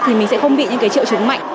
thì mình sẽ không bị những triệu chủng mạnh